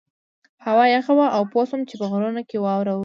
هوا یخه وه او پوه شوم چې په غرونو کې واوره وورې.